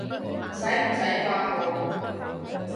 洗唔洗掛號？